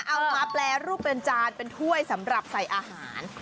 เอามาแปรรูปเป็นจานเป็นถ้วยสำหรับใส่อาหาร